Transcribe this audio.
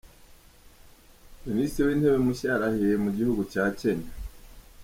Minisitire w’Intebe Mushya yarahiye Mugihugu cya Kenya